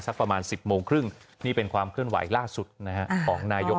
เราถูกเลือกเข้ามาเพื่อให้ทำให้ได้